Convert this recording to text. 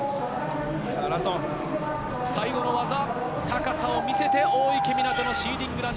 最後の技、高さを見せて、大池水杜のシーディングラン。